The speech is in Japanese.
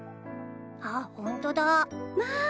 あっホントだー。